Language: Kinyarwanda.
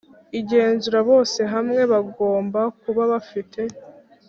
igenzura bose hamwe bagomba kuba bafite